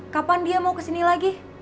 kapan dia mau ke sini lagi